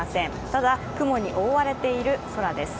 ただ雲に覆われている空です。